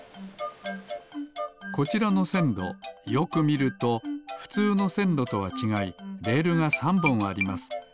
こちらのせんろよくみるとふつうのせんろとはちがいレールが３ぼんあります。